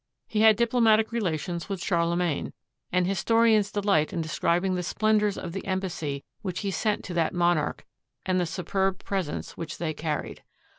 He had diplomatic relations with Charlemagne, and historians delight in describing the splendors of the embassy which he sent to that monarch and the superb presents which they carried.